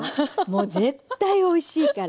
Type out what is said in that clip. もう絶対おいしいから。